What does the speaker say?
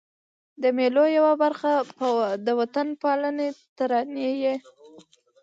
د مېلو یوه برخه د وطن پالني ترانې يي.